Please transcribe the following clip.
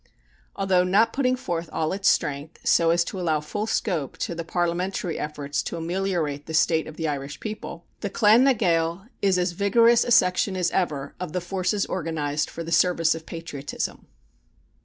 Although not putting forth all its strength, so as to allow full scope to the parliamentary efforts to ameliorate the state of the Irish people, the Clan na Gael is as vigorous a section as ever of the forces organized for the service of patriotism.